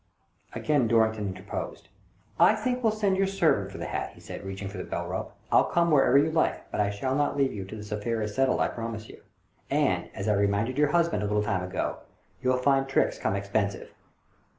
Again Dorrington interposed. " I think we'll send your servant for the hat," he said, reaching for the bell rope. "I'll come wherever you like, but I shall not leave you till this affair is settled, I promise you. And, as I reminded your husband a little time ago, you'll find tricks come expen sive."